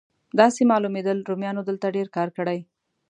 داسې معلومېدل رومیانو دلته ډېر کار کړی.